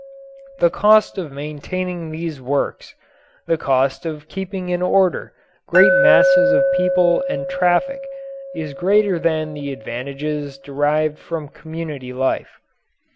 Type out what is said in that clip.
The cost of maintaining these works, the cost of keeping in order great masses of people and traffic is greater than the advantages derived from community life.